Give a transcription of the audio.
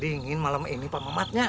dingin malam ini pak mamatnya